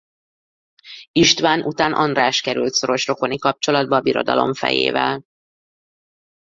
István után András került szoros rokoni kapcsolatba a birodalom fejével.